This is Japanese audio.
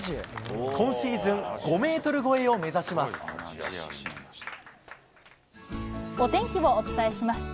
今シーズン、５メートル超えを目お天気をお伝えします。